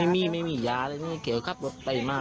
ไม่มีไม่มียาครับไปมาเว้ย